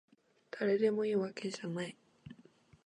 だれでもいいわけじゃない